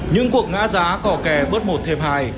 những cuộc ngã giá cỏ kè bớt một thêm hai